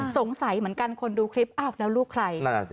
สงสัยเหมือนกันคนดูคลิปอ้าวแล้วลูกใคร